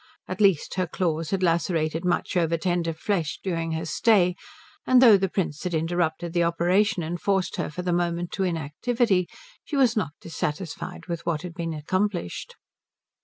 At least her claws had lacerated much over tender flesh during her stay; and though the Prince had interrupted the operation and forced her for the moment to inactivity, she was not dissatisfied with what had been accomplished.